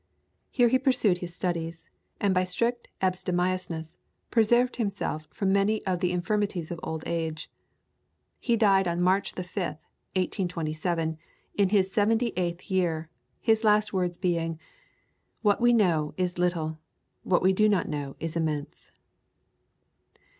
Here he pursued his studies, and by strict abstemiousness, preserved himself from many of the infirmities of old age. He died on March the 5th, 1827, in his seventy eighth year, his last words being, "What we know is but little, what we do not know is immense."